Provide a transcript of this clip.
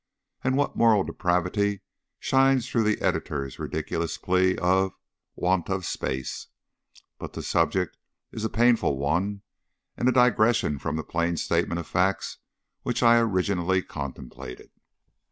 And what moral depravity shines through the editor's ridiculous plea of "want of space!" But the subject is a painful one, and a digression from the plain statement of facts which I originally contemplated.